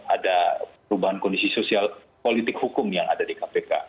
ada perubahan kondisi sosial politik hukum yang ada di kpk